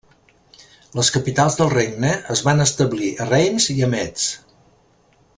Les capitals del regne es van establir a Reims i a Metz.